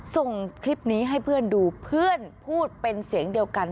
ส่งคลิปนี้ให้เพื่อนดูเพื่อนพูดเป็นเสียงเดียวกัน